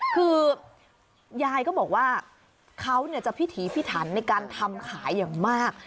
คือยายก็บอกว่าเขาจะพิถีพิถันในการทำขายอย่างมาก